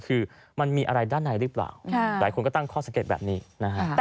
คือมันมีอะไรด้านในหรือเปล่าหลายคนก็ตั้งข้อสังเกตแบบนี้นะฮะ